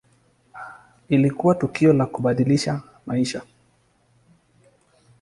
Ilikuwa tukio la kubadilisha maisha.